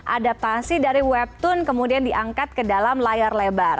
adaptasi dari webtoon kemudian diangkat ke dalam layar lebar